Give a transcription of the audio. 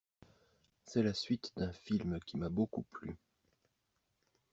C'est la suite d'un film qui m'a beaucoup plu.